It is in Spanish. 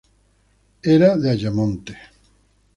Era de Ayamonte.